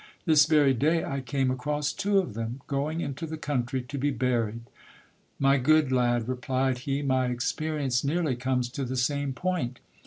This very day I came across two of them, going into the country to be buried. My good lad, replied he, my experience nearly comes to the same point.